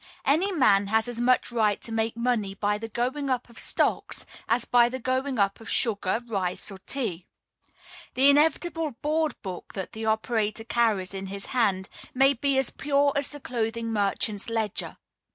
Any man has as much right to make money by the going up of stocks as by the going up of sugar, rice, or tea. The inevitable board book that the operator carries in his hand may be as pure as the clothing merchant's ledger.